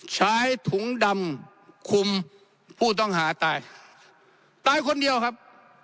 ใช้ถุงดำคุมผู้ต้องหาตายตายคนเดียวครับ